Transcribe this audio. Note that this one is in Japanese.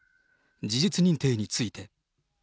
事実認定について。